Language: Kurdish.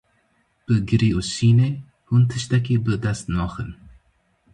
Bi girî û şînê hûn tiştekî bi dest naxin.